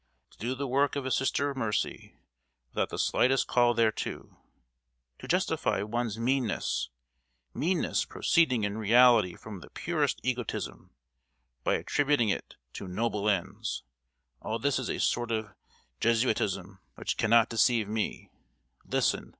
To do the work of a sister of mercy, without the slightest call thereto,—to justify one's meanness—meanness proceeding in reality from the purest egotism, by attributing to it noble ends,—all this is a sort of Jesuitism which cannot deceive me. Listen!